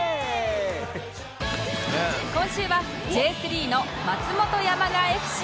今週は Ｊ３ の松本山雅 ＦＣ